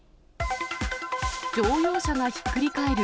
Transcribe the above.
乗用車がひっくり返る。